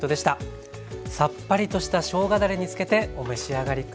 さっぱりとしたしょうがだれにつけてお召し上がり下さい。